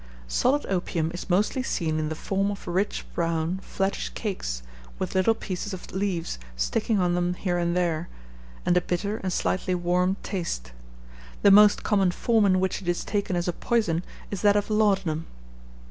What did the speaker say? Solid opium is mostly seen in the form of rich brown flattish cakes, with little pieces of leaves sticking on them here and there, and a bitter and slightly warm taste. The most common form in which it is taken as a poison, is that of laudanum.